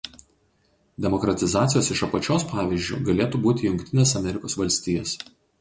Demokratizacijos „iš apačios“ pavyzdžiu galėtų būti Jungtinės Amerikos Valstijos.